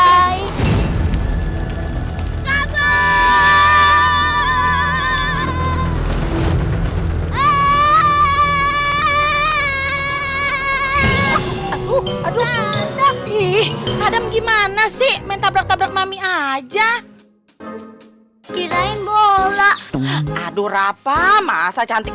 aduh aduh aduh aduh gimana sih menabrak tabrak mami aja kirain bola aduh rapah masa cantik